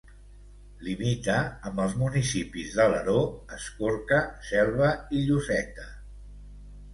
Limita amb els municipis d'Alaró, Escorca, Selva i Lloseta.